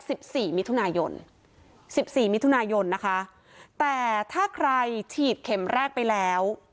สิบสี่มิถุนายนสิบสี่มิถุนายนนะคะแต่ถ้าใครฉีดเข็มแรกไปแล้ว